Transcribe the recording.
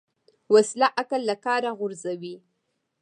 وسله عقل له کاره غورځوي